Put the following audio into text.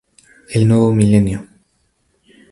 El nuevo Milenio.